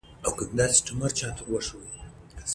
ازادي راډیو د سوله د اغېزو په اړه ریپوټونه راغونډ کړي.